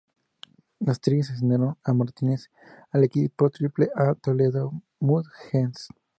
Los Tigres asignaron a Martínez al equipo Triple-A, Toledo Mud Hens.